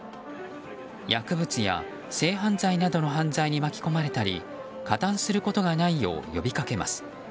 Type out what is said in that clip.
薬物や性犯罪などの犯罪に巻き込まれたり加担することがないよう呼びかけます。